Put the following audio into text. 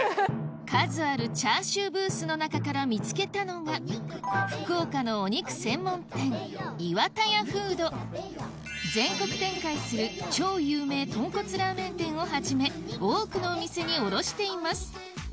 数あるチャーシューブースの中から見つけたのが全国展開する超有名とんこつラーメン店をはじめ多くのお店に卸しています